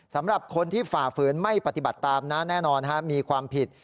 สำหรับคนที่ฝ่าฝืนไม่ปฏิบัติตามนะแน่นอนมีความผิด